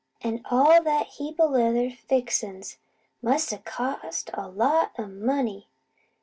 An' all that heap o' leather fixin's. Must a cost a lot o' money.